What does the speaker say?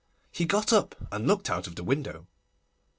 He got up and looked out of the window.